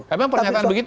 emang pernyataan begitu